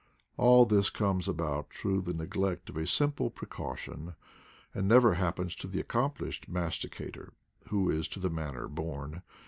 All this comes about through the neglect of a simple precaution, and never happens to the accomplished masticator, who is to the manner born.